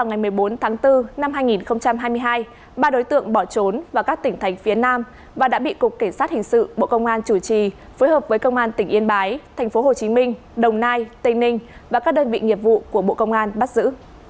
ngày một mươi bốn tháng bốn năm hai nghìn hai mươi hai ba đối tượng bỏ trốn vào các tỉnh thành phía nam và đã bị cục kiểm soát hình sự bộ công an chủ trì phối hợp với công an tỉnh yên bái thành phố hồ chí minh đồng nai tây ninh và các đơn vị nghiệp vụ của bộ công an bắt giữ